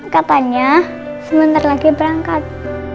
katanya sebentar lagi berangkat